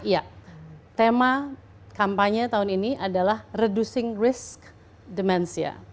ya tema kampanye tahun ini adalah reducing risk demensia